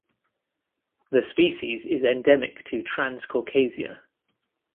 The species is endemic to Transcaucasia.